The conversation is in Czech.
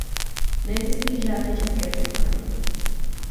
Neexistují žádné české překlady.